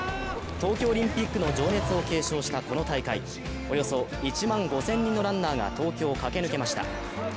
東京オリンピックの情熱を継承したこの大会、およそ１万５０００人のランナーが東京を駆け抜けました。